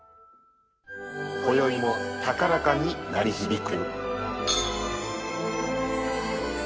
こよいも高らかに鳴り響く。